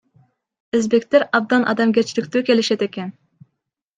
Өзбектер абдан адамгерчиликтүү келишет экен.